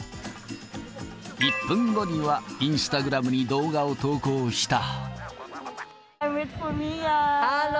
１分後にはインスタグラムに動画を投稿した。